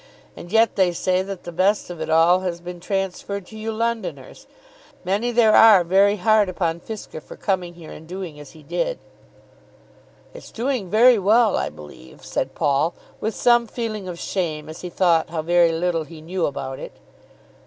And yet they say that the best of it all has been transferred to you Londoners. Many there are very hard upon Fisker for coming here and doing as he did." "It's doing very well, I believe," said Paul, with some feeling of shame, as he thought how very little he knew about it.